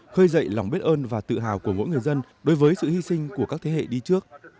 khơi dậy lòng biết ơn và tự hào của mỗi người dân đối với sự hy sinh của các thế hệ đi trước